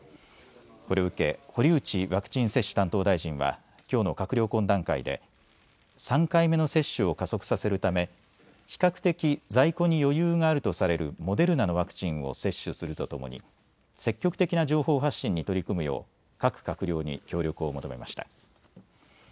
これを受け、堀内ワクチン接種担当大臣はきょうの閣僚懇談会で３回目の接種を加速させるため比較的在庫に余裕があるとされるモデルナのワクチンを接種するとともに積極的な情報発信に取り組むよう各閣僚に協力を求めました。